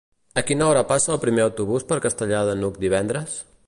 A quina hora passa el primer autobús per Castellar de n'Hug divendres?